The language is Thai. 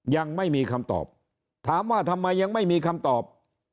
ยังไม่มีคำตอบถามว่าทำไมยังไม่มีคำตอบ